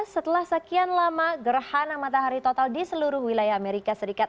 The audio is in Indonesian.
setelah sekian lama gerhana matahari total di seluruh wilayah amerika serikat